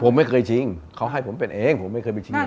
ผมไม่เคยชิงเขาให้ผมเป็นเองผมไม่เคยไปชิง